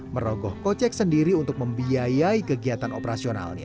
merogoh kocek sendiri untuk membiayai kegiatan operasionalnya